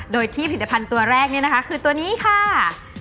โดยที่ผิดอาพันธ์ตัวแรกคือตัวนี้ค่ะ